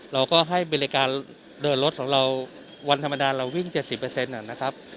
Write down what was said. เราก็ให้บริการเดินรถของเราวันธรรมดาเราวิ่งเจ็ดสิบเปอร์เซ็นต์น่ะนะครับ